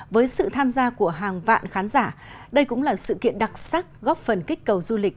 với sự tham gia của hàng vạn khán giả đây cũng là sự kiện đặc sắc góp phần kích cầu du lịch